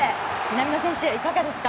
南野選手、いかがですか？